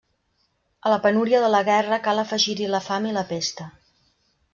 A la penúria de la guerra cal afegir-hi la fam i la Pesta.